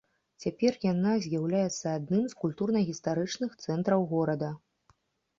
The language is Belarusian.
Цяпер яна з'яўляецца адным з культурна-гістарычных цэнтраў горада.